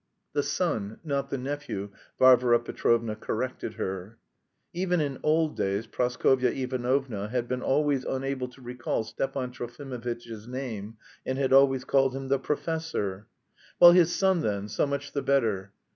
"The son, not the nephew," Varvara Petrovna corrected her. Even in old days Praskovya Ivanovna had been always unable to recall Stepan Trofimovitch's name, and had always called him the "Professor." "Well, his son, then; so much the better.